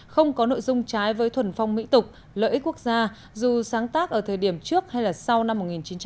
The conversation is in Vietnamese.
không có nội dung trái với thuần phong mỹ tục lợi ích quốc gia dù sáng tác ở thời điểm trước hay là sau năm một nghìn chín trăm bảy mươi